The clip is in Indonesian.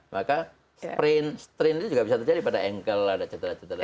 maka strain strain itu juga bisa terjadi pada ankle ada cetera cetera